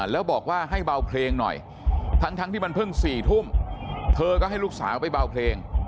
แล้วบอกว่าให้เบาเพลงหน่อยทั้งที่มันเพิ่ง๔ทุ่มเธอก็ให้ลูกสาวไปเบาเพลง